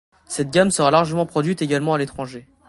Cette gamme sera largement produite également à l'étranger.